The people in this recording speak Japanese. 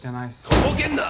とぼけんな！